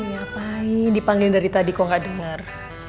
eh apain dipanggilin dari tadi kok gak denger